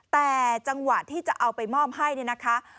แต่จังหวะที่จะเอาไปมอบให้เนี่ยนะคะ